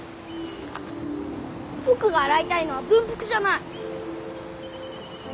僕が洗いたいのは軍服じゃない。